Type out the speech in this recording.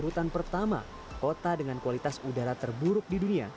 ada di urutan pertama kota dengan kualitas udara terburuk di dunia